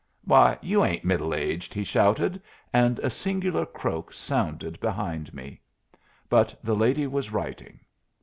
"Why, you ain't middle aged!" he shouted, and a singular croak sounded behind me. But the lady was writing.